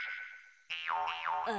あ。